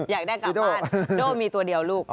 อยากได้กลับบ้านโด่มีตัวเดียวลูก